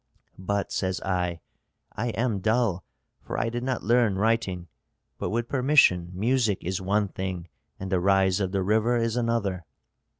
'But,' says I, 'I am dull, for I did not learn writing; but with permission music is one thing and the rise of the river is another.'